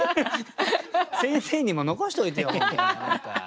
先生にも残しておいてよ何か。